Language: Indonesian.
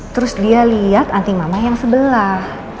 terus dia lihat anti mama yang sebelah